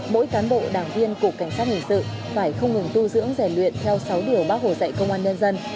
mỗi cán bộ đảng viên cục cảnh sát hình sự phải không ngừng tu dưỡng rèn luyện theo sáu điều bác hồ dạy công an nhân dân